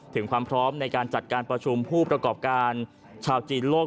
ถึงความพร้อมในการจัดการประชุมผู้ประกอบการชาวจีนโลก